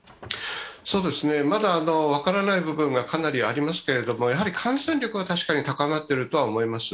まだ分からない部分がかなりありますけれども、やはり感染力はたしかに高まっているとは思います。